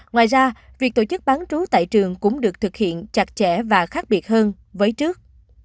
ngoài ra việc tổ chức bán trú tại trường cũng được thực hiện chặt chẽ và khác biệt hơn với trước